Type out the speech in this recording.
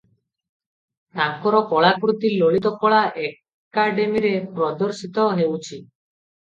ତାଙ୍କର କଳାକୃତି ଲଳିତ କଳା ଏକାଡେମୀରେ ପ୍ରଦର୍ଶିତ ହେଉଛି ।